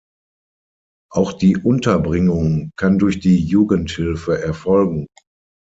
Auch die Unterbringung kann durch die Jugendhilfe erfolgen.